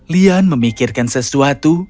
lian memikirkan sesuatu